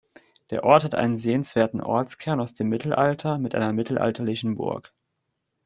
Der Ort hat einen sehenswerten Ortskern aus dem Mittelalter mit einer mittelalterlichen Burg.